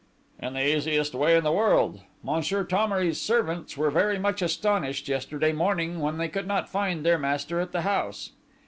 "In the easiest way in the world. Monsieur Thomery's servants were very much astonished yesterday morning, when they could not find their master in the house.